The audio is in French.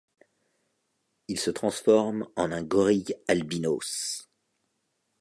Il se transforme en un gorille albinos.